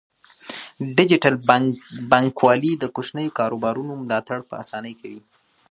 ډیجیټل بانکوالي د کوچنیو کاروبارونو ملاتړ په اسانۍ کوي.